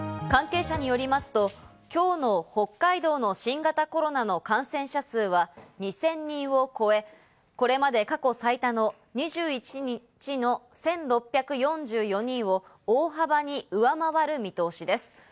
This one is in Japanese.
関係者によりますと、今日の北海道の新型コロナの感染者数は２０００人を超え、これまで過去最多の２１日の１６４４人を大幅に上回る見通しです。